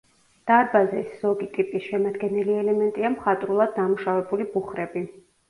დარბაზის ზოგი ტიპის შემადგენელი ელემენტია მხატვრულად დამუშავებული ბუხრები.